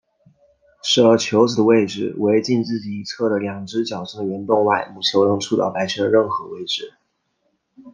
射球子的位置为近自己一侧的两只角上的圆洞外母球能触着白圈的任何位置。